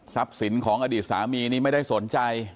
สินของอดีตสามีนี้ไม่ได้สนใจ